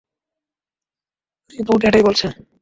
Report এটাই বলছে।